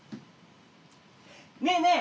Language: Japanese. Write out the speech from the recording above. ねえねえ